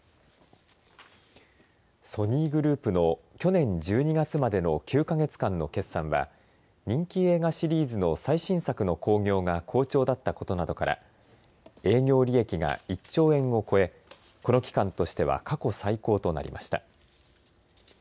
ソニーグループの去年１２月までの９か月間の決算は人気映画シリーズの最新作の興行が好調だったことなどから営業利益が１兆円を超えこの期間としては過去最高となりました。